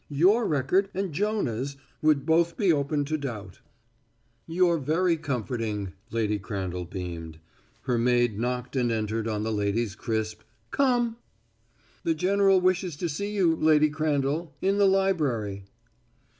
"Your record and Jonah's would both be open to doubt." "You're very comforting," Lady Crandall beamed. Her maid knocked and entered on the lady's crisp: "Come!" "The general wishes to see you, Lady Crandall, in the library."